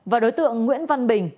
và đối tượng nguyễn văn bình